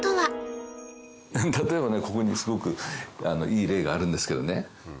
例えばここにすごくいい例があるんですけどね。